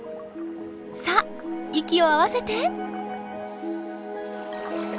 さあ息を合わせて。